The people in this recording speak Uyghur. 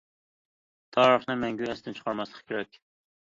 تارىخنى مەڭگۈ ئەستىن چىقارماسلىق كېرەك.